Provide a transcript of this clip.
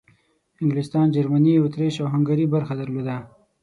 انګلستان، جرمني، اطریش او هنګري برخه درلوده.